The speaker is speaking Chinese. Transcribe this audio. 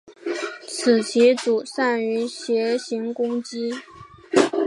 此棋组善于斜行攻击。